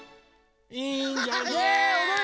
いいんじゃない？